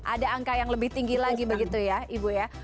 ada angka yang lebih tinggi lagi begitu ya ibu ya